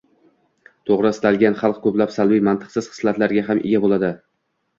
To‘g‘ri, istalgan xalq ko‘plab salbiy mantiqsiz xislatlarga ham ega bo‘ladi.